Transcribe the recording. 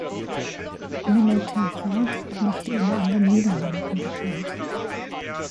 Menno ter Braak machte ihn in den Niederlanden bekannt.